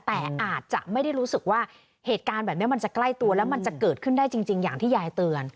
แต่อาจจะไม่ได้รู้สึกว่าเหตุการณ์แบบนี้มันจะใกล้ตัวแล้วมันจะเกิดขึ้นได้จริงอย่างที่ยายเตือน